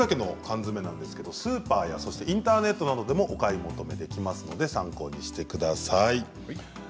スーパーやインターネットでもお買い求めできますので参考にしてください。